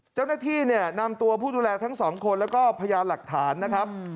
เจ้าหน้าที่เนี่ยนำตัวผู้ดูแลทั้งสองคนแล้วก็พยานหลักฐานนะครับ